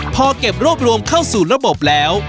พอเก็บรวบรวมเข้าสู่ระบบแล้ว